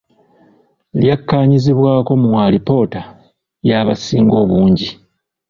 Lyakkaanyizibwako mu alipoota y’abasinga obungi.